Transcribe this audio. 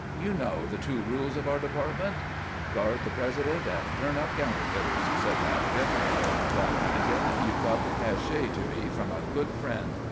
"You know the two rules of our department?" "Guard the president and turn up counterfeiters," said Lanagan. "Well, Lanagan, you've got the cachet to me from a good friend.